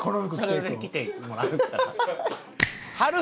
それで来てもらうから。